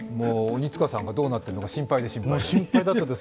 鬼塚さんがどうなっているのかもう本当に心配で、心配で。